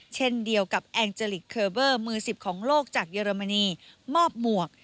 เช่นเดียวกับแองเจลิกเคอร์เวอร์มือ๑๐ของโลกจากเยอรมนีมอบหมวก